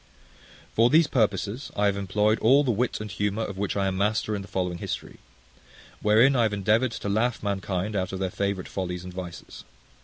For these purposes I have employed all the wit and humour of which I am master in the following history; wherein I have endeavoured to laugh mankind out of their favourite follies and vices.